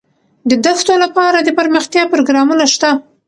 د دښتو لپاره دپرمختیا پروګرامونه شته.